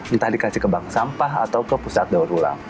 entah dikasih ke bank sampah atau ke pusat daur ulang